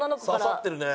刺さってるね。